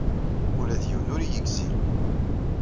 Ula d yiwen ur iyi-yegzi.